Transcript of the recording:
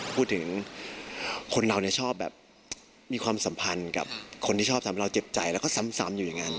พูดถึงคนเราชอบแบบมีความสัมพันธ์กับคนที่ชอบทำให้เราเจ็บใจแล้วก็ซ้ำอยู่อย่างนั้น